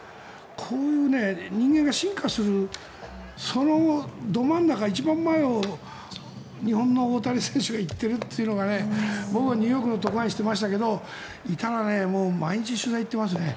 こういう人間が進化するそのど真ん中、一番前を日本の大谷選手が行っているというのが僕はニューヨークの特派員していますがいたら、毎日取材に行っていますね。